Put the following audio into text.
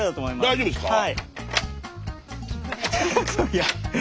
大丈夫ですか？